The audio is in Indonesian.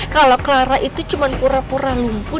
kalau clara itu cuman pura pura lumpuh